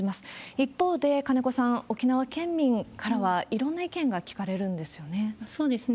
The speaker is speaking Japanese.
一方で、金子さん、沖縄県民からはいろんな意見が聞かれるんですよね。